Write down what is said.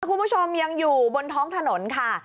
คุณผู้ชมยังอยู่บนท้องถนนค่ะ